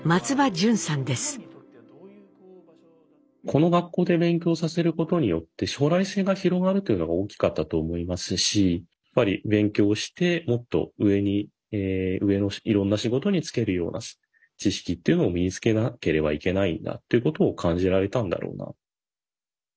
この学校で勉強させることによって将来性が広がるというのが大きかったと思いますしやっぱり勉強してもっと上に上のいろんな仕事に就けるような知識っていうのを身につけなければいけないんだということを感じられたんだろうな。